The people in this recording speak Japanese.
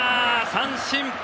三振！